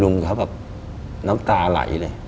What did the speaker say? ลุงเขาแบบน้ำตาไหลเลย